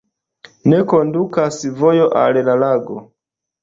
Ne kondukas vojo al la lago.